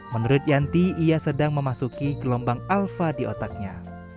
menurut yanti ia sedang memasuki gelombang alfa di otaknya